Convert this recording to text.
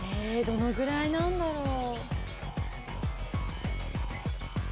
どのぐらいなんだろう？